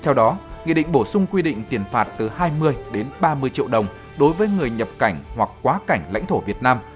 theo đó nghị định bổ sung quy định tiền phạt từ hai mươi đến ba mươi triệu đồng đối với người nhập cảnh hoặc quá cảnh lãnh thổ việt nam